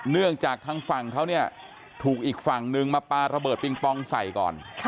เนื่องจากทางฝั่งเขาเนี่ยถูกอีกฝั่งนึงมาปลาระเบิดปิงปองใส่ก่อน